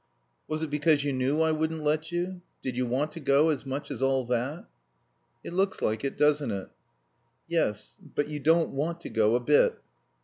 "Was it because you knew I wouldn't let you? Did you want to go as much as all that?" "It looks like it, doesn't it?" "Yes. But you don't want to go a bit."